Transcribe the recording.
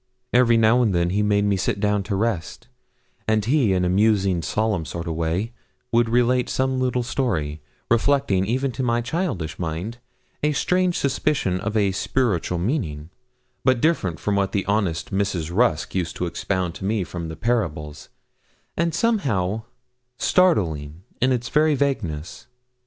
Every now and then he made me sit down to rest, and he in a musing solemn sort of way would relate some little story, reflecting, even to my childish mind, a strange suspicion of a spiritual meaning, but different from what honest Mrs. Rusk used to expound to me from the Parables, and, somehow, startling in its very vagueness.